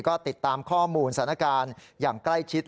ก็ติดตามข้อมูลสถานการณ์อย่างใกล้ชิด